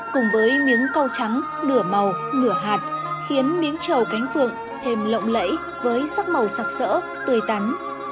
cùng với miếng câu trắng nửa màu nửa hạt khiến miếng trầu cánh phương thêm lộng lẫy với sắc màu sạc sỡ tươi tắn